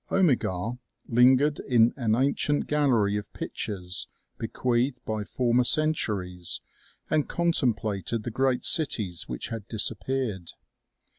Ome gar lingered in an ancient gallery of pictures, be queathed by former centuries, and contemplated the great cities which had disappeared.